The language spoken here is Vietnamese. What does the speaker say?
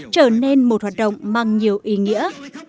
trở nên một hoạt động mang nhiều ý nghĩa